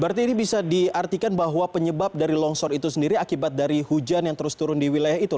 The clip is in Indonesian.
berarti ini bisa diartikan bahwa penyebab dari longsor itu sendiri akibat dari hujan yang terus turun di wilayah itu